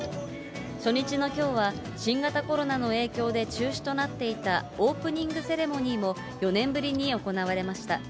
初日のきょうは、新型コロナの影響で中止となっていたオープニングセレモニーも４年ぶりに行われました。